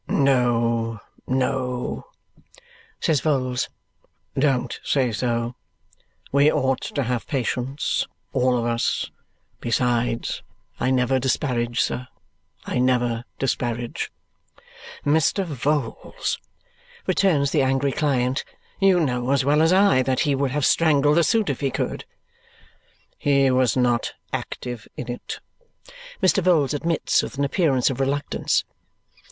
"No, no," says Vholes. "Don't say so. We ought to have patience, all of us. Besides, I never disparage, sir. I never disparage." "Mr. Vholes," returns the angry client. "You know as well as I that he would have strangled the suit if he could." "He was not active in it," Mr. Vholes admits with an appearance of reluctance.